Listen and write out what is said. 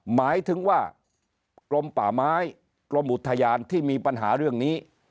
หมายถึงว่ากรมป่าไม้กรมอุทยานที่มีปัญหาเรื่องนี้